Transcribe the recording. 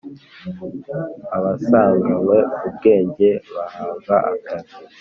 abasanganywe ubwenge bahabwa akazi